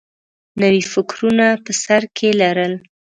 نوي فکرونه په سر کې لرل